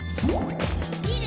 「みる！